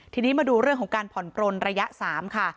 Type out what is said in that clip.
ทีนี้มาดูเรื่องของการผ่อนปลนระยะ๓ค่ะ